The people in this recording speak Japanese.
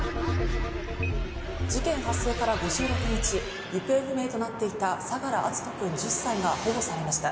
事件発生から５６日行方不明となっていた相良篤斗君１０歳が保護されました。